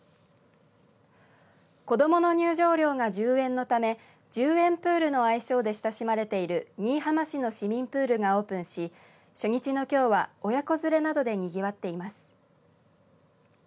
子どもの入場料が１０円のため１０円プールの愛称で親しまれている新居浜市の市民プールがオープンし初日のきょうは親子連れなどでにぎわっています。